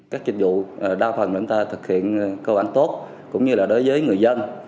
các dịch vụ đa phần chúng ta thực hiện cơ quan tốt cũng như là đối với người dân